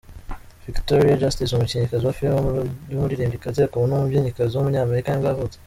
Victoria Justice, umukinnyikazi wa filime, umuririmbyikazi akaba n’umubyinnyikazi w’umunyamerika nibwo yavutse.